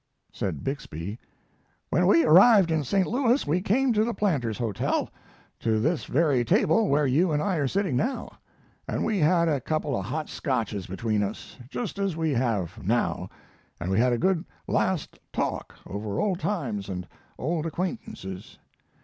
Said Bixby: "When we arrived in St. Louis we came to the Planters' Hotel; to this very table where you and I are sitting now, and we had a couple of hot Scotches between us, just as we have now, and we had a good last talk over old times and old acquaintances.